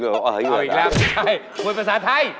เอออีกแล้วครับใช่พูดภาษาไทย